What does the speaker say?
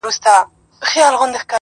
هغه پلار یې چي یو وخت شاه جهان وو!